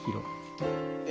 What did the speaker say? え。